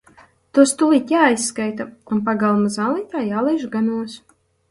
Tos tūlīt jāizskaita un pagalma zālītē jālaiž ganos.